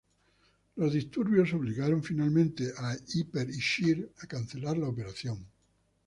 Los disturbios obligaron finalmente a Hipper y Scheer a cancelar la operación.